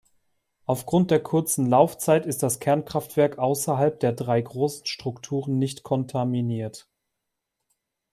Aufgrund der kurzen Laufzeit ist das Kernkraftwerk außerhalb der drei großen Strukturen nicht kontaminiert.